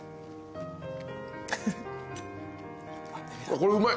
これうまい。